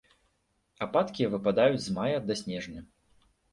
Ападкі выпадаюць з мая да снежня.